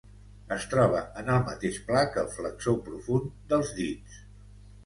Es troba en el mateix pla que el flexor profund dels dits.